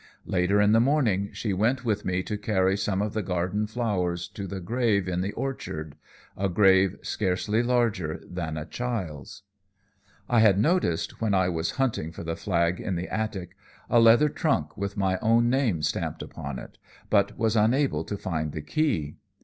Later in the morning she went with me to carry some of the garden flowers to the grave in the orchard, a grave scarcely larger than a child's. "I had noticed, when I was hunting for the flag in the attic, a leather trunk with my own name stamped upon it, but was unable to find the key.